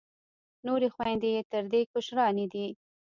نورې خویندې یې تر دې کشرانې دي.